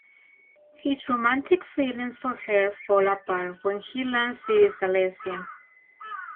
His romantic feelings for her fall apart when he learns she is a lesbian.